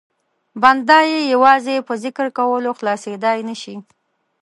بنده یې یوازې په ذکر کولو خلاصېدای نه شي.